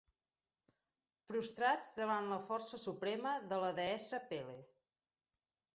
Prostrats davant la força suprema de la deessa Pele.